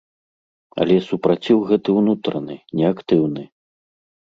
Але супраціў гэты ўнутраны, неактыўны.